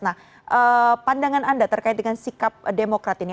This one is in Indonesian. nah pandangan anda terkait dengan sikap demokrat ini